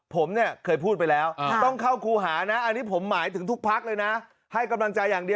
ผมเคยพูดไปแล้วต้องเข้าครูหานะ